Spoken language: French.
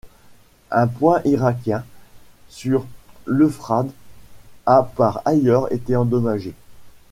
Un pont irakien sur l'Euphrate a par ailleurs été endommagé.